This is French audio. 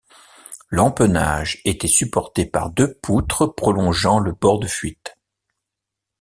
L’empennage était supporté par deux poutres prolongeant le bord de fuite.